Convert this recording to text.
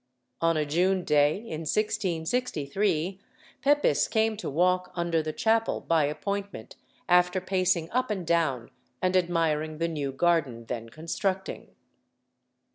On a June day in 1663 Pepys came to walk under the chapel by appointment, after pacing up and down and admiring the new garden then constructing.